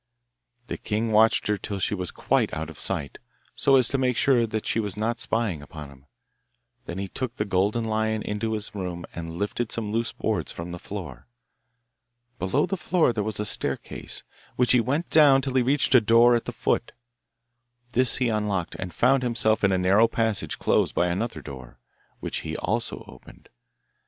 The king watched her till she was quite out of sight, so as to make sure that she was not spying upon him; then he took the golden lion into his room and lifted some loose boards from the floor. Below the floor there was a staircase, which he went down till he reached a door at the foot. This he unlocked, and found himself in a narrow passage closed by another door, which he also opened.